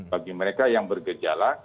bagi mereka yang bergejala